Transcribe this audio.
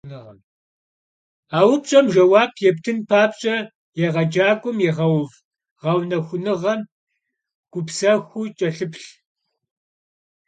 A vupş'em jjeuap yêptın papş'e, yêğecak'uem yiğeuv ğeunexunığem gupsexuu ç'elhıplh.